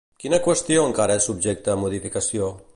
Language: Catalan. Quina qüestió encara és subjecte a modificació?